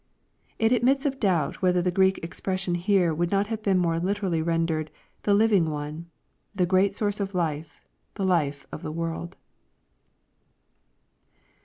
] It admits of doubt whether the Greek expression here would not have been more literally rendered, "the living one," — ^the great source of life, the life of tie world.